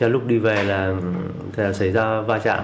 lúc đi về là xảy ra va chạm